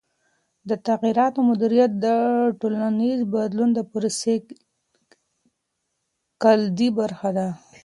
د تغییراتو مدیریت د ټولنیز بدلون د پروسې کلیدي برخه ده.